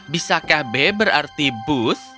bisakah b berarti booth